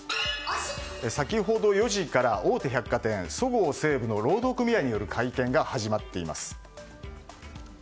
先ほど４時から大手百貨店そごう・西武の労働組合による会見が始まっています。